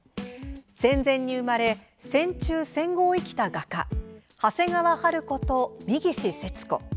戦前に生まれ戦中、戦後を生きた画家長谷川春子と三岸節子。